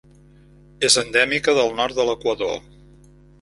És endèmica del nord de l'Equador.